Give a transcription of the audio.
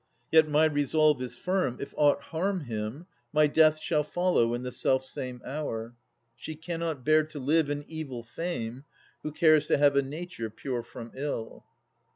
Yet my resolve is firm, if aught harm him, My death shall follow in the self same hour. She cannot bear to live in evil fame, Who cares to have a nature pure from ill.